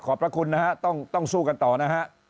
ขอบพระคุณนะครับต้องสู้กันต่อนะฮะ